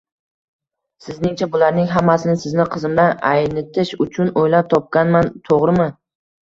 Sizningcha, bularning hammasini sizni qizimdan aynitish uchun o`ylab topganman, to`g`rimi